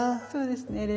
そうですね。